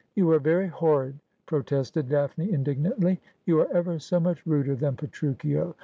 ' You are very horrid !' protested Daphne indignantly.. ' You are ever so much ruder than Petruchio.